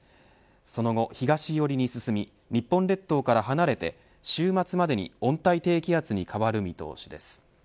その後、東寄りに進み日本列島から離れて週末までに温帯低気圧に変わる見通しです